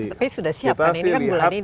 tapi sudah siap kan ini kan bulan ini